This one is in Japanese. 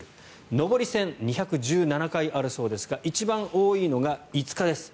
上り線、２１７回あるそうですが一番多いのが５日です。